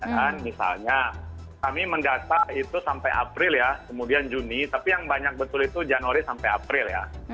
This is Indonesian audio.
ya kan misalnya kami mendata itu sampai april ya kemudian juni tapi yang banyak betul itu januari sampai april ya